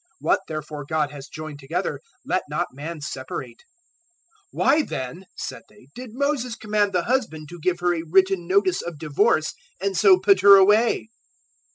What therefore God has joined together, let not man separate." 019:007 "Why then," said they, "did Moses command the husband to give her `a written notice of divorce,' and so put her away?"